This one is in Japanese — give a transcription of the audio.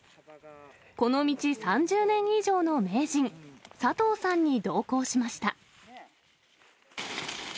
この道３０年以上の名人、佐藤さんに同行しました。